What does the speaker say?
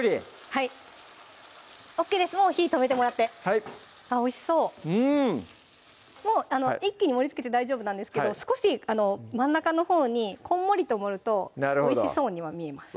はいＯＫですもう火止めてもらってあっおいしそうもう一気に盛りつけて大丈夫なんですけど少し真ん中のほうにこんもりと盛るとおいしそうには見えます